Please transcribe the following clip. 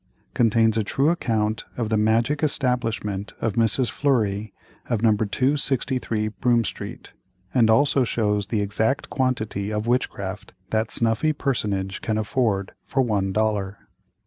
Contains a true account of the Magic Establishment of Mrs. Fleury, of No. 263 Broome Street, and also shows the exact quantity of Witchcraft that snuffy personage can afford for one Dollar.